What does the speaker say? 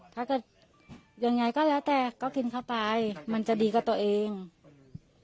ถ้าเกิดยังไงก็แล้วแต่ก็กินเข้าไปมันจะดีกว่าตัวเองอืม